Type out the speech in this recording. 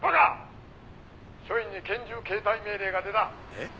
「署員に拳銃携帯命令が出た」えっ？